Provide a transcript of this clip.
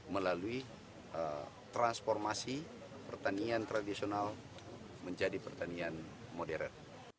melalui transformasi pertanian tradisional menjadi pertanian modern